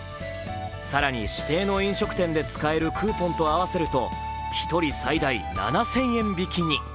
更に指定の飲食店で使えるクーポンと合わせると１人最大７０００円引きに。